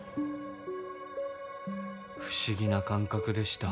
不思議な感覚でした。